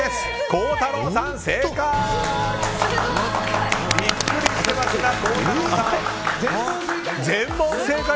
孝太郎さん、正解！